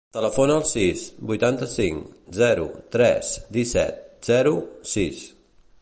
Telefona al sis, vuitanta-cinc, zero, tres, disset, zero, sis.